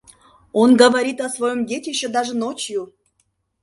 Он говорит о своём детище даже ночью.